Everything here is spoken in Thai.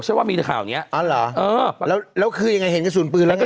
ว่ามีแต่ข่าวเนี้ยอ๋อเหรอเออแล้วแล้วคือยังไงเห็นกระสุนปืนแล้วไง